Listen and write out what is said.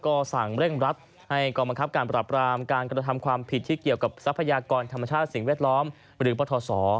ก็สั่งเร่งรัดให้กองบังคับการปรับรามการกระทำความผิดที่เกี่ยวกับทรัพยากรธรรมชาติสิ่งแวดล้อมหรือปทศ